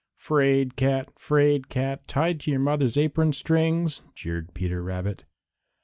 "'Fraid cat! 'Fraid cat! Tied to your mother's apron strings!" jeered Peter Rabbit.